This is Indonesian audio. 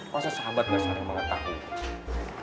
masa sahabat gue sering mengetahui